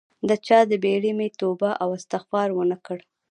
د چا د بیرې مې توبه او استغفار ونه کړ